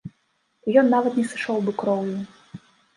І ён нават не сышоў бы кроўю.